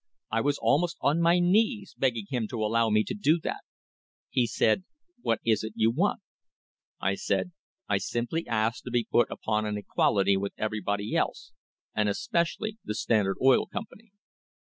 I was almost on my knees begging him to allow me to do that. He said; 'What is it you want?' I said; 'I simply ask to be put upon an equality with everybody else, and especially the Standard Oil Company.'